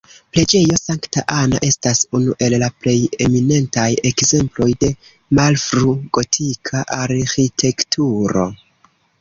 Preĝejo Sankta Anna estas unu el la plej eminentaj ekzemploj de malfru-gotika arĥitekturo.